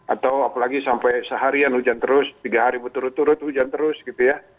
atau apalagi sampai seharian hujan terus tiga hari berturut turut hujan terus gitu ya